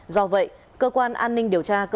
do vậy cơ quan an ninh điều tra